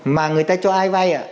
mà người ta cho ai vay ạ